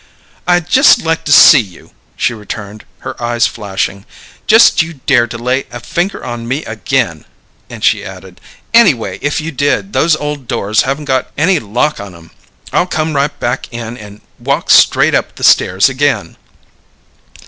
"I'd just like to see you!" she returned, her eyes flashing. "Just you dare to lay a finger on me again!" And she added, "Anyway, if you did, those ole doors haven't got any lock on 'em: I'll come right back in and walk right straight up the stairs again!"